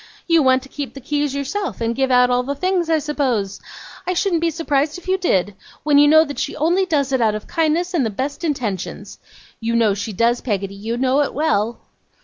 You want to keep the keys yourself, and give out all the things, I suppose? I shouldn't be surprised if you did. When you know that she only does it out of kindness and the best intentions! You know she does, Peggotty you know it well.